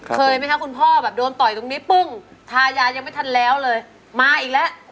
เคยไหมคะคุณพ่อแบบโดนต่อยตรงนี้ปึ้งทายายังไม่ทันแล้วเลยมาอีกแล้ว